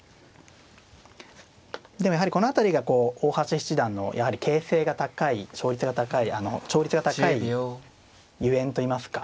でもやはりこの辺りが大橋七段のやはり形勢が高い勝率が高いゆえんといいますか。